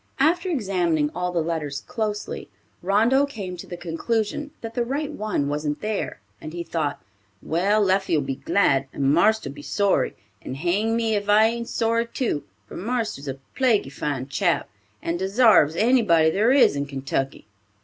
After examining all the letters closely, Rondeau came to the conclusion that the right one wasn't there, and he thought, "Well, Leffie'll be glad, and marster'll be sorry, and hang me if I ain't sorry too, for marster's a plaguey fine chap, and desarves anybody there is in Kentucky."